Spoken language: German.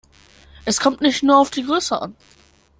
Es kommt nicht nur auf die Größe an.